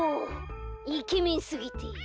イケメンすぎてごめん。